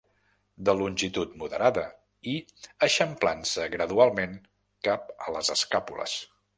De longitud moderada i eixamplant-se gradualment cap a les escàpules.